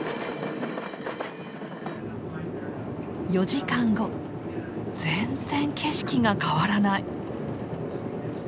４時間後全然景色が変わらない。